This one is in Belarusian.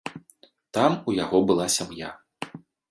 Там у яго была сям'я.